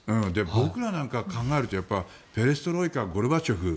僕らなんか考えるとペレストロイカ、ゴルバチョフ。